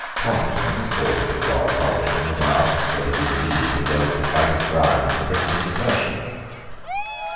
Compton was called into the royal closet, and was asked whether he believed that there was the slightest ground for the Prince's assertion.